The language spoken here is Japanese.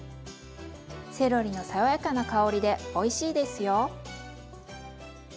セロリの爽やかな香りでおいしいですよ。